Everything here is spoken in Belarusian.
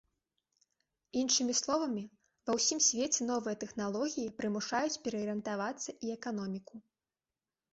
Іншымі словамі, ва ўсім свеце новыя тэхналогіі прымушаюць пераарыентавацца і эканоміку.